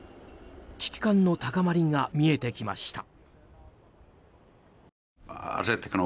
危機感の高まりが見えてきました。